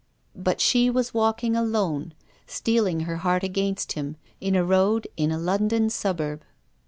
But she was walking alone, steeling her heart against him, in a road in a London suburb.